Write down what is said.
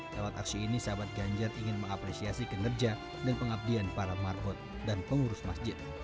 lewat aksi ini sahabat ganjar ingin mengapresiasi kinerja dan pengabdian para marhut dan pengurus masjid